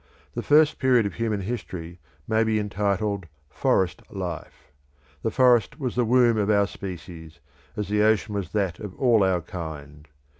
The first period of human history may be entitled forest life. The forest was the womb of our species, as the ocean was that of all our kind.